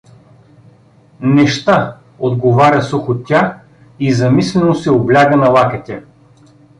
— Не ща — отговаря сухо тя и замислено се обляга на лакътя.